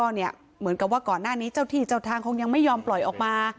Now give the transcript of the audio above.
เหมือนกับว่าก่อนหน้านี้เจ้าที่เจ้าทางคงยังไม่ยอมปล่อยออกมา